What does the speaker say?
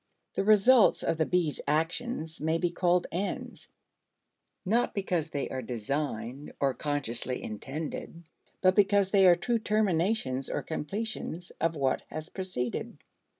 The results of the bees' actions may be called ends not because they are designed or consciously intended, but because they are true terminations or completions of what has preceded.